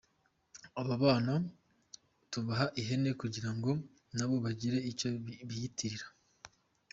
Abo bana tubaha ihene kugira ngo nabo bagire icyo biyitirira.